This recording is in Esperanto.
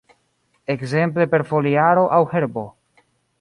Ekzemple per foliaro aŭ herbo.